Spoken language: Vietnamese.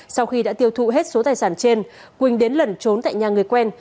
sau khi đã tiêu thụ hết số tài sản trên quỳnh đến lẩn trốn tại nhà người quen